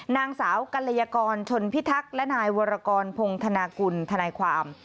นางสาวกัลยากรชนพิทักษ์และนายวรกรพงธนากุลทนายความ